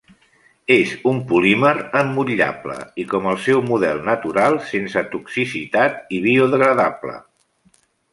És un polímer emmotllable i com el seu model natural sense toxicitat i biodegradable.